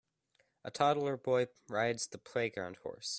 A toddler boy rides the playground horse.